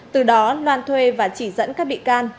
từ đó loan thuê và chỉ dẫn các bị can